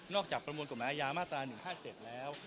จากประมวลกฎหมายอาญามาตรา๑๕๗แล้ว